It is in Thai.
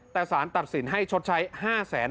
แต่สารตัดสินให้ชดใช้๕แสน